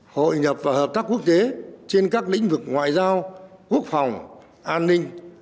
hội nhập và hợp tác quốc tế trên các lĩnh vực ngoại giao quốc phòng an ninh